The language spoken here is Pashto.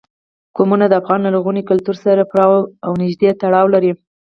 قومونه د افغان لرغوني کلتور سره پوره او نږدې تړاو لري.